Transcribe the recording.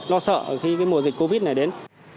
nó sợ khi cái mùa dịch covid này đến